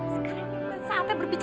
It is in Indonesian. sekarang ini bukan saatnya berbicara